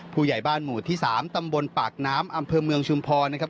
ผู้ใหญ่บ้านหมู่ที่๓ตำบลปากน้ำอำเภอเมืองชุมพรนะครับ